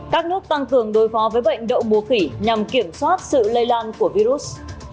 các nước tăng cường đối phó với bệnh đậu mùa khỉ nhằm kiểm soát sự lây lan của virus